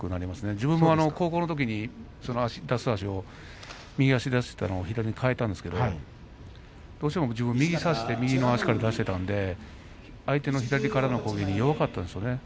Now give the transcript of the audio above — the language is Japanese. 自分も高校のときに出す足を右足を出していたのを左足に変えたんですけどどうしても自分は右差しで右から出していたので相手の左からの攻撃には弱かったですね。